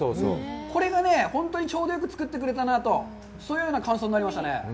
これがね、本当にちょうどよく作ってくれたなと、そういうような感想になりましたね。